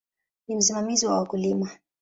Ni msimamizi wa wakulima.